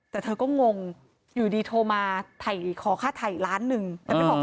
แต่เธอก็งงอยู่ดีโทรมาไถ่ขอค่าไถ่ล้านหนึ่งอ่า